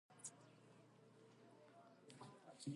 منزل ته ورسېږئ.